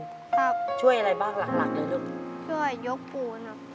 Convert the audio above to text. ครับช่วยอะไรบ้างหลักเดี๋ยวลูกช่วยยกปูนครับ